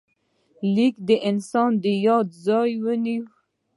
لیک د انسان د یاد ځای ونیو.